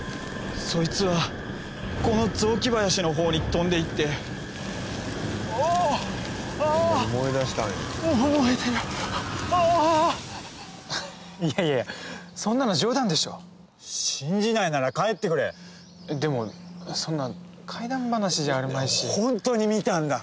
そいつはこの雑木林のほうに飛んでいってああっああっ燃えてるああっいやいやそんなの冗談でしょ信じないなら帰ってくれでもそんな怪談話じゃあるまいし本当に見たんだ！